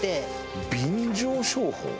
便乗商法？